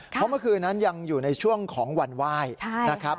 เพราะเมื่อคืนนั้นยังอยู่ในช่วงของวันไหว้นะครับ